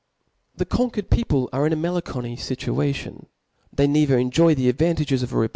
The conquered people are in tk melancholy fini ation ; they neither fctijoy the adtaftf sigts of a re?